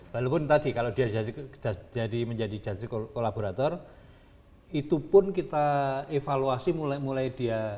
walaupun tadi kalau dia jadi menjadi just sico laborator itu pun kita evaluasi mulai dia